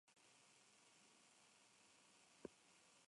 En su segundo intento, ella se negó a apoyarlo sin embargo.